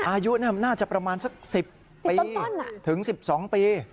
อายุน่าจะประมาณสัก๑๐ปีถึง๑๒ปี